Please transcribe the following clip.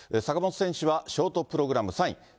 坂本選手はショートプログラム３位。